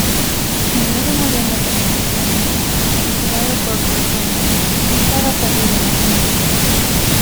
Y luego muriendo pacíficamente, vigilado por Bruce Wayne, quien estaba perdido en el tiempo.